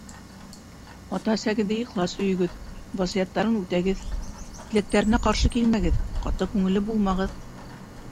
Ата-әсәгеҙҙе ихлас һөйөгөҙ, васыяттарын үтәгеҙ, теләктәренә ҡаршы килмәгеҙ, ҡаты күңелле булмағыҙ.